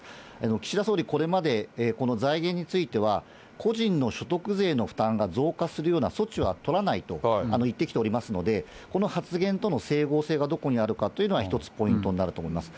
岸田総理、これまでこの財源については、個人の所得税の負担が増加するような措置は取らないと言ってきておりますので、この発言との整合性がどこにあるかというのは一つポイントになると思います。